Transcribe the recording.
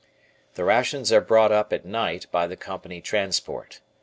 The rations are brought up, at night, by the Company Transport.